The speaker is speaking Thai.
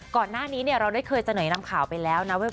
ก่อนหน้านี้เราได้เคยเสนอนำข่าวไปแล้วนะว่า